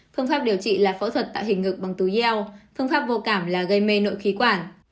phương pháp điều trị là phẫu thuật tạo hình ngực bằng túi yeo phương pháp vô cảm là gây mê nội khí quản